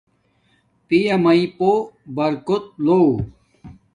پیا میݵ پُُو برکت لو